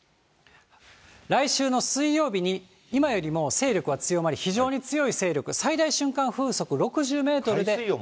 来週の水曜日に今よりも勢力は強まり、非常に強い勢力、最大瞬間風速６０メートルで。